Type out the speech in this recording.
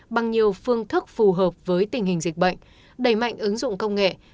bằng nhiều phương thức phù hợp với tình hình dịch bệnh đẩy mạnh ứng dụng công nghệ